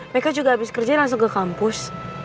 meka juga abis kerja langsung ke kampus